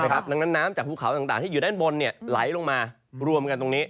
ดังนั้นน้ำจากภูเขาต่างที่อยู่ด้านบนไหลลงมารวมกันตรงนี้